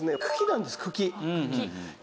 茎なんです。